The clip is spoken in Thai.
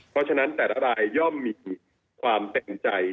เพราะฉะนั้นแต่ละรายย่อมมีความเต็มใจ